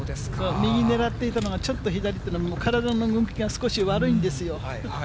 右狙っていたのが、ちょっと左っていうのが、体の向きが少し悪いんですよ。